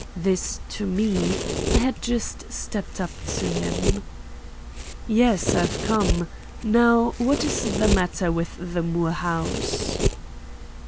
This to me. I had just stepped up to him. "Yes, I've come. Now what is the matter with the Moore house?"